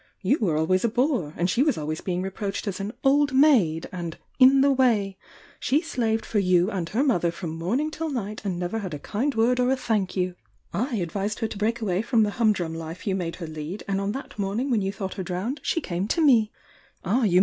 You were always a bore^and she was always beLg re proMhed as an 'old maid' and 'in the way.' She ^V ^°I y°" """^ J^^" ™°ther from morabfr tiU SITk "^T^'k^"*! ^^^'^ ^°^d or a th^n^S. 7 advised her to break awa^ from the hum drum life you made her lead, and on that morning when you thought her drowned, she came to mef Ah vou r^.